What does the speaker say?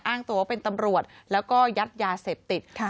อ้างตัวว่าเป็นตำรวจแล้วก็ยัดยาเสพติด